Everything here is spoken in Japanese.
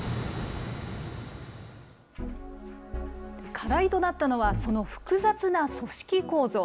課題となったのは、その複雑な組織構造。